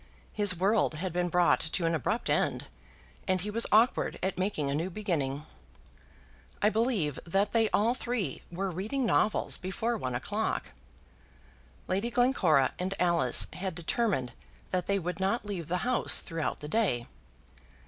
His world had been brought to an abrupt end, and he was awkward at making a new beginning. I believe that they all three were reading novels before one o'clock. Lady Glencora and Alice had determined that they would not leave the house throughout the day.